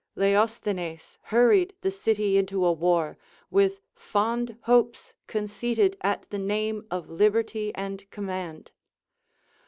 Leosthenes hurried the city into a war, with fond hopes conceited at the name of liberty and command.